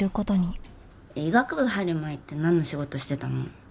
医学部入る前ってなんの仕事してたの？